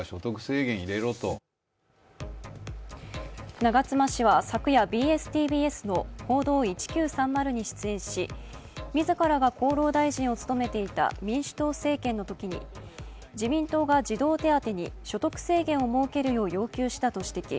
長妻氏は昨夜ＢＳ−ＴＢＳの「報道１９３０」に出演し自らが厚労大臣を務めていた民主党政権のときに自民党が児童手当に所得制限を設けるよう要求したと指摘。